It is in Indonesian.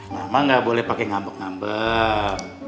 mama nggak boleh pakai ngambek ngambek